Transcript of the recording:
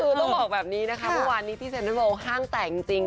คือต้องบอกแบบนี้นะคะเมื่อวานนี้พี่เซ็นเตอร์เวลห้างแตกจริง